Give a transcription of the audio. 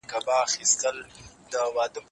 زه به هیڅکله دا لنډه خوږه ملګرتیا هېره نه کړم.